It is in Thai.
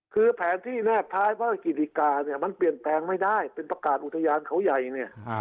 คือแผนที่แนบท้ายว่ากิติกาเนี่ยมันเปลี่ยนแปลงไม่ได้เป็นประกาศอุทยานเขาใหญ่เนี่ย